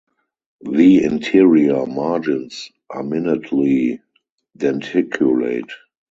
The interior margins are minutely denticulate.